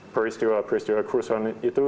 peristiwa peristiwa kerusuhan itu